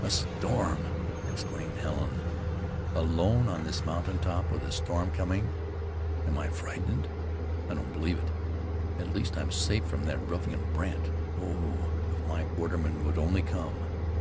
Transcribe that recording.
"A storm!" exclaimed Helen. "Alone on this mountain top with a storm coming. Am I frightened? I don't believe it. At least I'm safe from that ruffian Brandt. Oh! if my borderman would only come!"